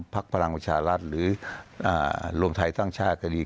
พักพลังประชารัฐหรืออ่าลงไทยตั้งชาติก็ดี